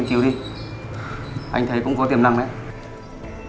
được chú nghiên cứu đi anh thấy cũng có tiền năng lượng cho họ